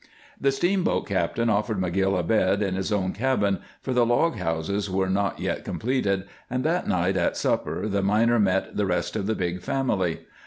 The steamboat captain offered McGill a bed in his own cabin, for the log houses were not yet completed, and that night at supper the miner met the rest of the big family.